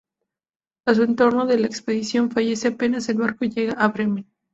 A su retorno de la expedición, fallece apenas el barco llega a Bremen.